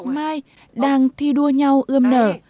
mai đang thi đua nhau ươm nở